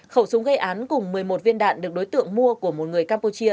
khẩu súng gây án cùng một mươi một viên đạn được đối tượng mua của một người campuchia